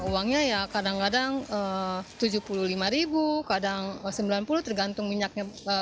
uangnya ya kadang kadang rp tujuh puluh lima kadang rp sembilan puluh tergantung minyaknya